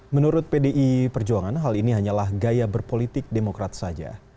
menurut pdi perjuangan hal ini hanyalah gaya berpolitik demokrat saja